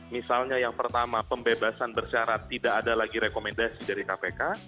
misalnya yang pertama pembebasan bersyarat tidak ada lagi rekomendasi dari kpk